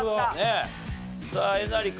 さあえなり君。